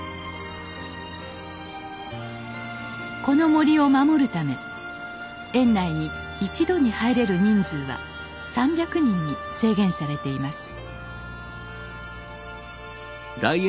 この森を守るため園内に一度に入れる人数は３００人に制限されています